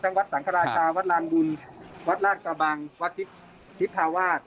ทั้งวัดสรรคราชาวัดลานบุญวัดลาชกำบังวัดคิพธาวาส